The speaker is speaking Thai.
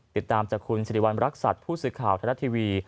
ติดตามจากคุณสิริวัณรักษัตริย์ผู้สื่อข่าวธนัดทีวี